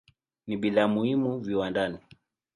Ni bidhaa muhimu viwandani.